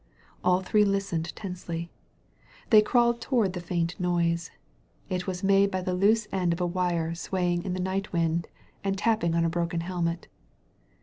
All three listened tensely. They crawled toward the faint noise. It THE HEARING EAR was made by a loose end of wire swaying in the night wind and tapping on a broken hehnet.